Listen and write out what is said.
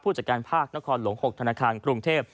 ผู้จัดการภาคนะครหลง๖ธนคารกรุงเทพฯ